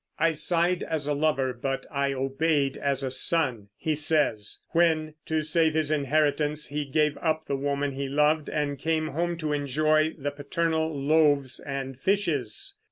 "I sighed as a lover; but I obeyed as a son," he says, when, to save his inheritance, he gave up the woman he loved and came home to enjoy the paternal loaves and fishes.